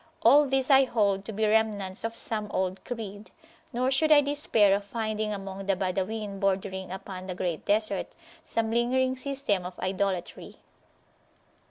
All these I hold to be remnants of some old [p.110] creed; nor should I despair of finding among the Badawin bordering upon the Great Desert some lingering system of idolatry.